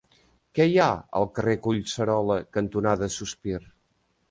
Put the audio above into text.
Què hi ha al carrer Collserola cantonada Sospir?